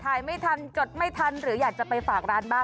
ไม่ทันจดไม่ทันหรืออยากจะไปฝากร้านบ้าง